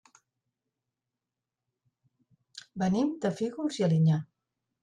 Venim de Fígols i Alinyà.